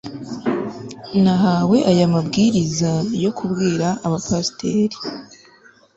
Nahawe aya mabwiriza yo kubwira abapasiteri